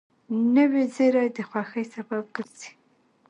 نوې زېری د خوښۍ سبب ګرځي